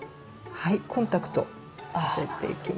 はいコンタクトさせていきます。